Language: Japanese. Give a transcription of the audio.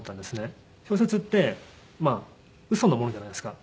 小説ってウソのものじゃないですか。